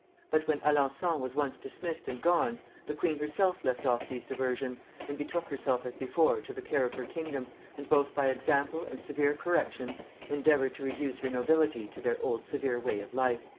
But when Alençon was once dismissed and gone, the queen herself left off these diversions, and betook herself as before to the care of her kingdom, and both by example and severe corrections endeavoured to reduce her nobility to their old severe way of life."